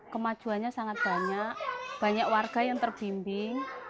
kemajuannya sangat banyak banyak warga yang terbimbing